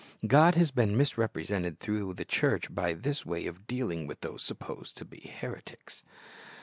God has been misrepresented through the church by this way of dealing with those supposed to be heretics.